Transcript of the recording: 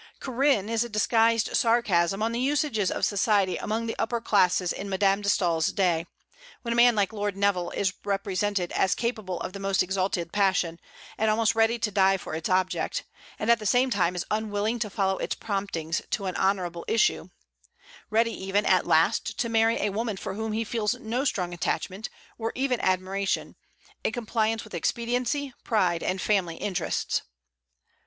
"Corinne" is a disguised sarcasm on the usages of society among the upper classes in Madame de Staël's day, when a man like Lord Neville is represented as capable of the most exalted passion, and almost ready to die for its object, and at the same time is unwilling to follow its promptings to an honorable issue, ready even, at last, to marry a woman for whom he feels no strong attachment, or even admiration, in compliance with expediency, pride, and family interests.